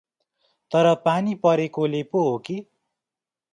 तर पानी परेकोले पो होकी?